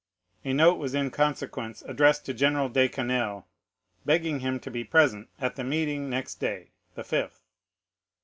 400340m "'A note was in consequence addressed to General de Quesnel, begging him to be present at the meeting next day, the 5th.